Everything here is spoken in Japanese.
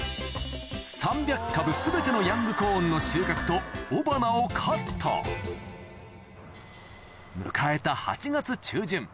３００株全てのヤングコーンの収穫と雄花をカット迎えた